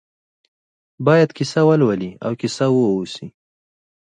باید کیسه ولولي او کیسه واوسي.